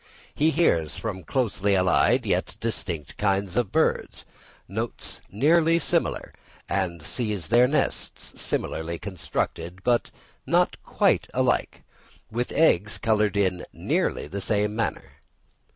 He hears from closely allied, yet distinct kinds of birds, notes nearly similar, and sees their nests similarly constructed, but not quite alike, with eggs coloured in nearly the same manner.